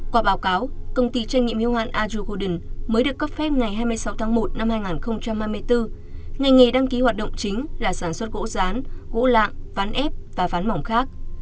qua báo cáo công ty trách nhiệm hiếu hạn aju golden mới được cấp phép ngày hai mươi sáu tháng một năm hai nghìn hai mươi bốn ngành nghề đăng ký hoạt động chính là sản xuất gỗ rán gỗ lạng ván ép và ván mỏng khác